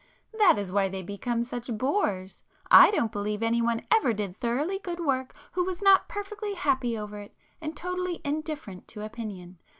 That is why they become such bores. I don't believe anyone ever did thoroughly good work who was not perfectly happy over it, and totally indifferent to opinion.